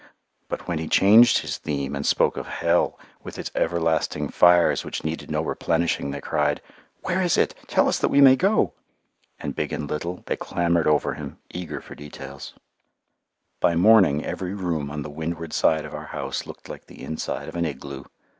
But when he changed his theme and spoke of hell, with its everlasting fires which needed no replenishing, they cried, "Where is it? Tell us that we may go"; and big and little, they clambered over him, eager for details. [Illustration: A LONG WAY ON THE HEAVENWARD ROAD] By morning every room on the windward side of our house looked like the inside of an igloo.